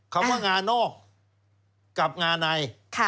คำว่างานอกกับงาใน